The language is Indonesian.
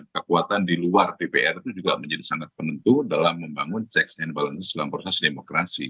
kekuatan di luar dpr itu juga menjadi sangat penentu dalam membangun checks and balance dalam proses demokrasi